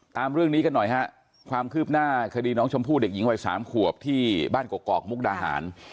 ตามเรื่องนี้กันหน่อยฮะความคืบหน้าคดีน้องชมพู่เด็กหญิงวัยสามขวบที่บ้านกอกมุกดาหาร